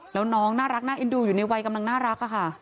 แล้วน้องน่ารักน่าเอ็นดูอยู่ในวัยกำลังน่ารักอะค่ะ